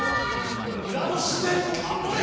村の自然を守れ！